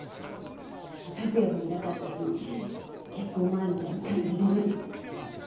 拓也もいなかったし結婚前みたいな感じでね。